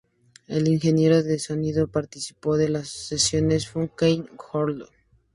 El ingeniero de sonido que participó de las sesiones fue Keith Harwood.